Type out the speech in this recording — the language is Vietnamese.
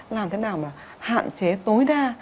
làm thế nào mà hạn chế tối đa